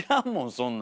そんな。